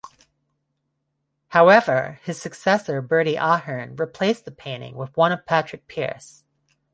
However, his successor Bertie Ahern replaced the painting with one of Patrick Pearse.